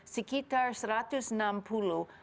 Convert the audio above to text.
sekitar seratus enam puluh